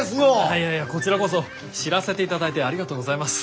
いやいやこちらこそ知らせていただいてありがとうございます。